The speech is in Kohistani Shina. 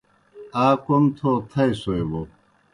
آ کوْم تھو تھائے سوئے بوْ